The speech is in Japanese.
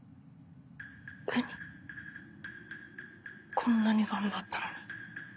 こんなに頑張ったのに？